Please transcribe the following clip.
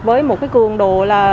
với một cường độ